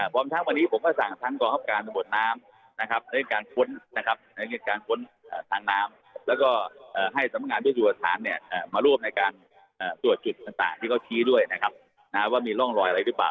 ก็จะฆ่าไปกับเขาเลยนะครับ